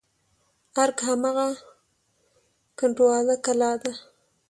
ارګ هماغه کنډواله کلا ده.